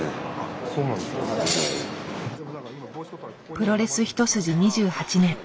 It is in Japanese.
プロレス一筋２８年。